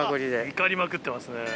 怒りまくってますね。